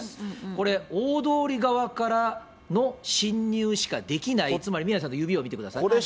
これ、大通り側からの進入しかできない、つまり宮根さんの指を見てください。